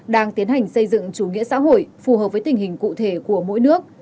đang tiến hành xây dựng chủ nghĩa xã hội phù hợp với tình hình cụ thể của mỗi nước